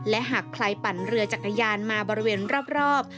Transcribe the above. และหากใครปั่นเรือจักรยานมาบริเวณรอบ